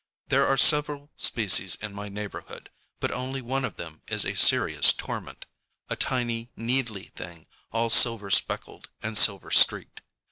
There are several species in my neighborhood; but only one of them is a serious torment, ŌĆöa tiny needly thing, all silver speckled and silver streaked.